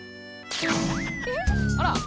あら。